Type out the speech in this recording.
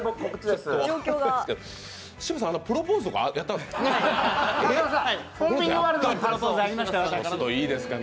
柴田さん、プロポーズとかやったんですか？